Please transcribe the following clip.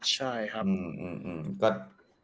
ใช่ครับ